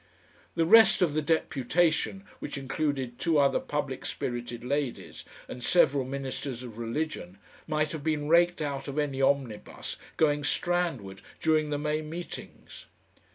The rest of the deputation, which included two other public spirited ladies and several ministers of religion, might have been raked out of any omnibus going Strandward during the May meetings.